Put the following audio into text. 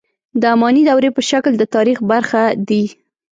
د اماني دورې په شکل د تاریخ برخه دي.